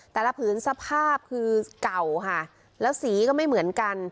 ผืนสภาพคือเก่าค่ะแล้วสีก็ไม่เหมือนกัน